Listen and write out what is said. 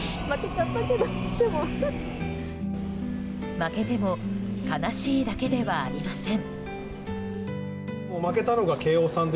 負けても悲しいだけではありません。